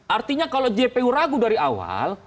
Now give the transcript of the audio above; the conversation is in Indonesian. artinya kalau jpu ragu dari awal